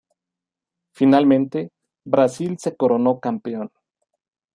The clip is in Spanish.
Finalmente, Brasil se coronó campeón.